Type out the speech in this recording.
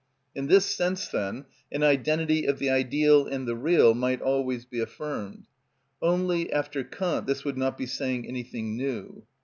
In this sense, then, an identity of the ideal and the real might always be affirmed; only, after Kant, this would not be saying anything new.